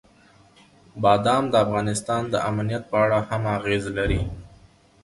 بادام د افغانستان د امنیت په اړه هم اغېز لري.